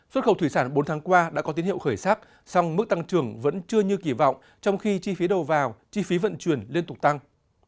xuất khẩu thủy sản bốn tháng qua đã có tiến hiệu khởi sắc song mức tăng trưởng vẫn chưa như kỳ vọng trong khi chi phí đầu vào chi phí vận chuyển liên tục tăng